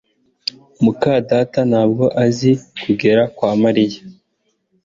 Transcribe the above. muka data ntabwo azi kugera kwa Mariya